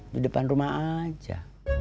di depan rumah aja